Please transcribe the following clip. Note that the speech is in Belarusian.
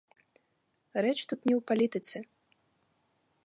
Рэч тут не ў палітыцы.